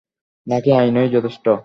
নাকি আইনই যথেষ্ট?